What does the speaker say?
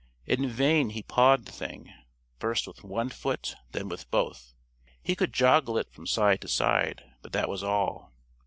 In vain he pawed the thing, first with one foot, then with both. He could joggle it from side to side, but that was all.